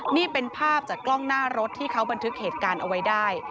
นี่เป็นภาพจากกล้องหน้ารถที่เขาบันทึกเหตุการณ์เอาไว้ได้